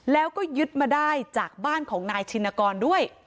แล้วก็ยึดมาได้จากบ้านของนายชินกรด้วย